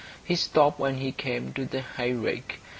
He stopped when he came to the hayrick.